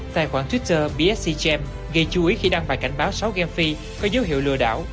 tài khoản twitter bscchem gây chú ý khi đăng bài cảnh báo sáu game phi có dấu hiệu lừa đảo